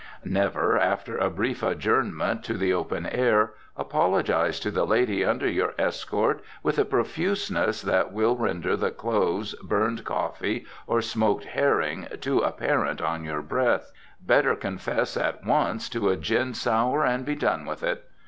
Never, after a brief adjournment to the open air, apologize to the lady under your escort with a profuseness that will render the cloves, burned coffee or smoked herring too apparent on your breath. Better confess at once to a gin sour, and be done with it.